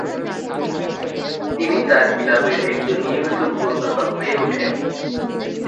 তিনি তার ক্লাবের একজন নিয়মিত গোলদাতা হয়ে ওঠেন।